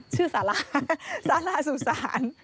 ชื่อสาลาสาลาสุสาน